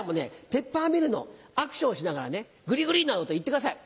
ペッパーミルのアクションをしながら「グリグリ！」などと言ってください。